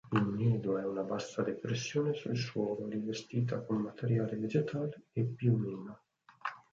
Il nido è una bassa depressione sul suolo, rivestita con materiale vegetale e piumino.